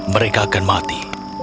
mereka akan mati